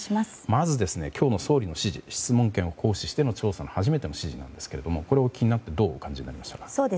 まず総理の今日の質問権を行使しての調査の初めての指示なんですけどこれをお聞きになってどうお感じになりました。